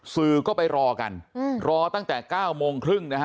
สื่อก็ไปรอกันรอตั้งแต่๙โมงครึ่งนะฮะ